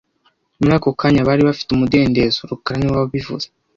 Muri ako kanya bari bafite umudendezo rukara niwe wabivuze